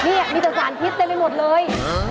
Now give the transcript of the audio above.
นี่มีแต่สารพิษเต็มไปหมดเลย